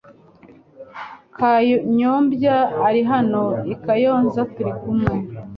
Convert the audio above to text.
Kanyombya ari hano i Kayonza turi kumwe .